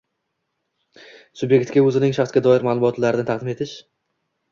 Subyektga o‘zining shaxsga doir ma’lumotlarini taqdim etish